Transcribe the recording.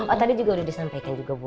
oh tadi juga udah disampaikan juga bu